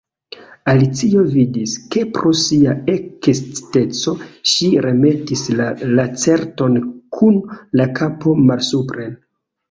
Alicio vidis, ke pro sia eksciteco ŝi remetis la Lacerton kun la kapo malsupren.